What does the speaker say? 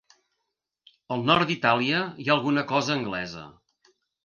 Al nord d'Itàlia hi ha alguna cosa anglesa.